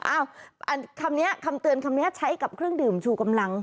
คำนี้คำเตือนคำนี้ใช้กับเครื่องดื่มชูกำลัง